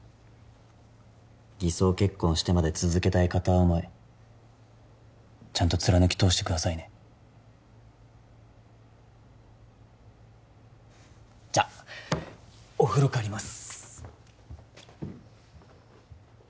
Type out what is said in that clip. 偽装結婚してまで続けたい片思いちゃんと貫き通してくださいねじゃお風呂借ります